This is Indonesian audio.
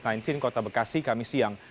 di kota bekasi kami siang